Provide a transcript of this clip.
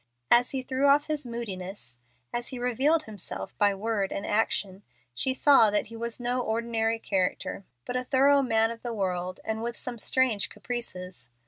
As he threw off his moodiness, as he revealed himself by word and action, she saw that he was no ordinary character, but a thorough man of the world, and with some strange caprices.